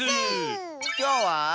きょうは。